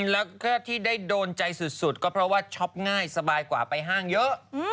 แล้วก็ที่ได้โดนใจสุดก็เพราะว่าช็อปง่ายสบายกว่าไปห้างเยอะ